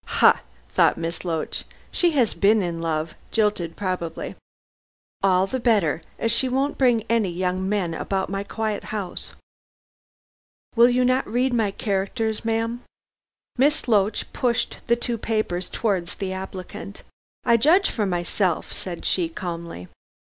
"Ha!" thought Miss Loach, "she has been in love jilted probably. All the better, as she won't bring any young men about my quiet house." "Will you not read my characters, ma'am?" Miss Loach pushed the two papers towards the applicant. "I judge for myself," said she calmly.